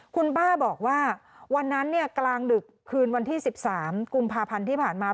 คุณป้าบอกว่าวันนั้นกลางดึกคืนวันที่๑๓กุมภาพันธ์ที่ผ่านมา